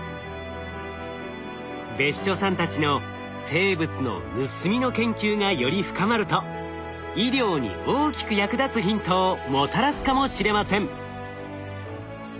別所さんたちの生物の盗みの研究がより深まると医療に大きく役立つヒントをもたらすかもしれません。